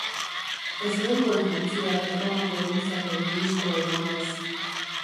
Ez nengoen jantzia Erromako elizako ministroen mailaz.